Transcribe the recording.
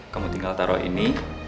kamu tinggal taruh ini